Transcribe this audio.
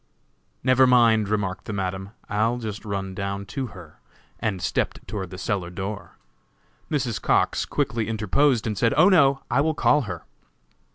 "Never mind," remarked the Madam, "I'll just run down to her," and stepped towards the cellar door. Mrs. Cox quickly interposed and said: "Oh! no; I will call her!"